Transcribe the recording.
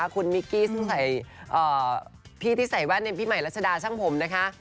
คุณมิกกี้ที่ใส่แว่นในพี่ใหม่รัชดาช่างผม